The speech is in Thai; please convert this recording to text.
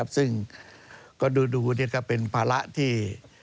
ซึ่งก็ดูเป็นภาระที่